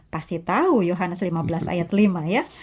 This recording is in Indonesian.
pasti tahu yohanes lima belas ayat lima ya